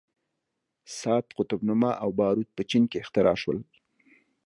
ساعت، قطب نما او باروت په چین کې اختراع شول.